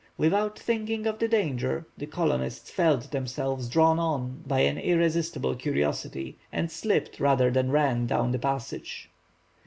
Without thinking of the danger, the colonists felt themselves drawn on by an irresistible curiosity, and slipped rather than ran down the passage.